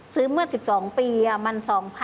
ซื้อเมื่อ๑๒ปีมัน๒๐๐๐